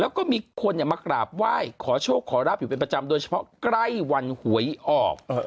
แล้วก็มีคนมากราบไหว้ขอโชคขอราบอยู่เป็นประจำโดยเฉพาะใกล้วันหวยออก